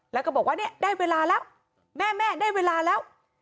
แล้วก็บอกว่าเนี่ยได้เวลาแล้วแม่แม่ได้เวลาแล้ว